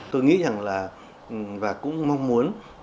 tôi nghĩ rằng là và cũng mong muốn